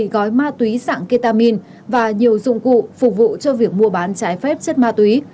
bảy gói ma túy sẵn ketamin và nhiều dụng cụ phục vụ cho việc mua bắn trái phép chết ma túy